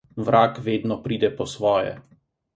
Vrag vedno pride po svoje.